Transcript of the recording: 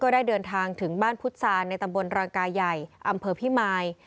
ได้เดินทางถึงบ้านพุทธศาลในตำบลรังกายใหญ่อำเภอพิมาย